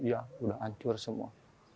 iya udah hancur semua